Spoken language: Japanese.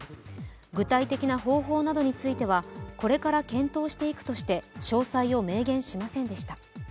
具体的な方法などについては、これから検討していくとして詳細を明言しませんでした。